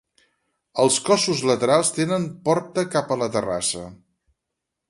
Els cossos laterals tenen porta cap a la terrassa.